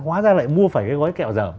hóa ra lại